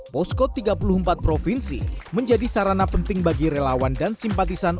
posko tiga puluh empat provinsi menjadi sarana penting bagi relawan dan simpatisan